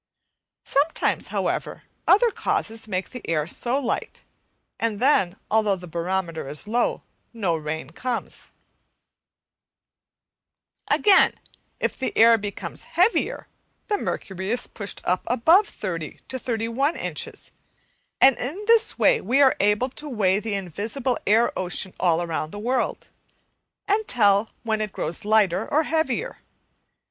Sometimes, however, other causes make the air light, and then, although the barometer is low, no rain comes, Again, if the air becomes heavier the mercury is pushed up above 30 to 31 inches, and in this way we are able to weigh the invisible air ocean all over the world, and tell when it grows lighter or heavier.